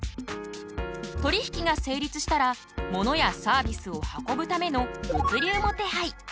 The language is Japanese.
取り引きが成立したらモノやサービスを運ぶための物流も手配。